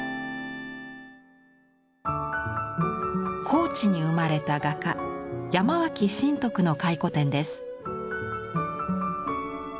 高知に生まれた画家山脇信徳の回顧展です。